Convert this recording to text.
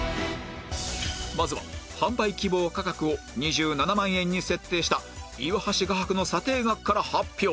まずは販売希望価格を２７万円に設定した岩橋画伯の査定額から発表